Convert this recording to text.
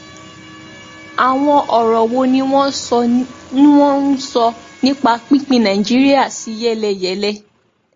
Àwọn ọ̀rọ̀ wo ni wọ́n ń sọ nípa pínpín Nàìjíríà sí yẹ́lẹyẹ̀lẹ